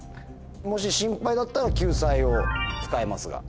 もし心配だったら救済を使えますが。